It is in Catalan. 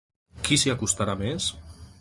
Qui s’hi acostarà més?